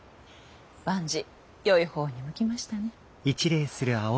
万事よいほうにいきましたね。